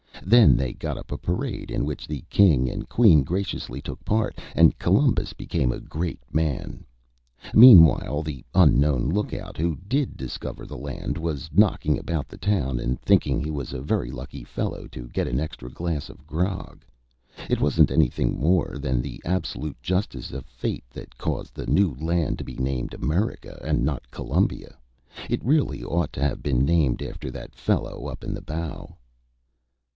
Then they got up a parade in which the King and Queen graciously took part, and Columbus became a great man. Meanwhile the unknown lookout who did discover the land was knocking about the town and thinking he was a very lucky fellow to get an extra glass of grog. It wasn't anything more than the absolute justice of fate that caused the new land to be named America and not Columbia. It really ought to have been named after that fellow up in the bow."